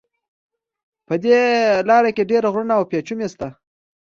په دې لاره کې ډېر غرونه او پېچومي شته.